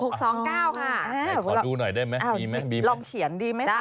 ขอดูหน่อยได้ไหมลองเขียนดีไหมครับ